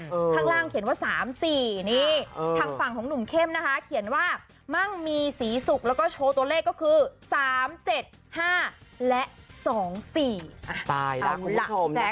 ข้างล่างเขียนว่า๓๔นี่ทางฝั่งของหนุ่มเข้มนะคะเขียนว่ามั่งมีศรีศุกร์แล้วก็โชว์ตัวเลขก็คือ๓๗๕และ๒๔หลัก